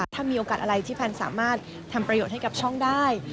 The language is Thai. ถ้ามีโอกาสอะไรที่แพนสามารถทำประโยชน์ให้กับช่องได้